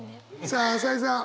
さあ朝井さん